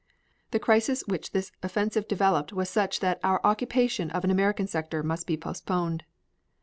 The crisis which this offensive developed was such that our occupation of an American sector must be postponed.